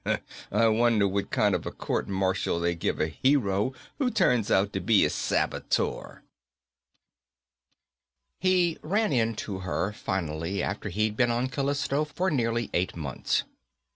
"I wonder what kind of a court martial they give a hero who turns out to be a saboteur." He ran into her, finally, after he'd been on Callisto for nearly eight months.